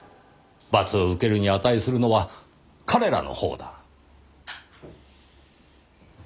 罰を受けるに値するのは彼らのほうだ。